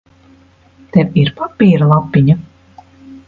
Tev ir papīra lapiņa?